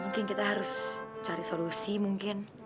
mungkin kita harus cari solusi mungkin